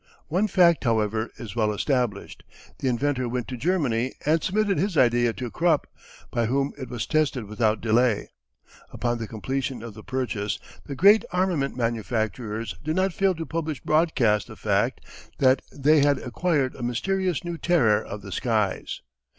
One fact, however, is well established. The inventor went to Germany, and submitted his idea to Krupp, by whom it was tested without delay. Upon the completion of the purchase, the great armament manufacturers did not fail to publish broadcast the fact that they had acquired a mysterious new terror of the skies.